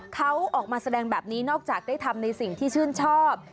เขาออกมาแสดงแบบนี้นอกจากได้ทำในสิ่งที่ชื่นชอบ